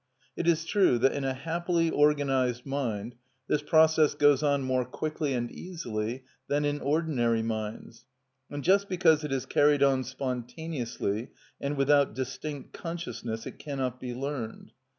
It is true that in a happily organised mind this process goes on more quickly and easily than in ordinary minds; and just because it is carried on spontaneously and without distinct consciousness it cannot be learned.